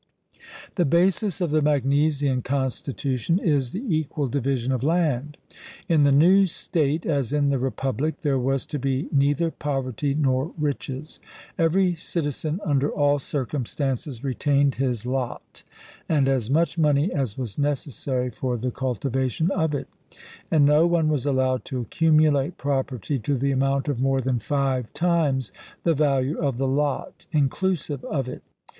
The basis of the Magnesian constitution is the equal division of land. In the new state, as in the Republic, there was to be neither poverty nor riches. Every citizen under all circumstances retained his lot, and as much money as was necessary for the cultivation of it, and no one was allowed to accumulate property to the amount of more than five times the value of the lot, inclusive of it.